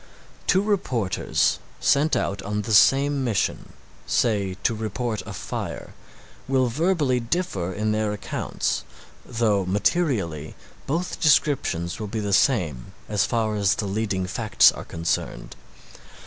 Two reporters sent out on the same mission, say to report a fire, will verbally differ in their accounts though materially both descriptions will be the same as far as the leading facts are concerned.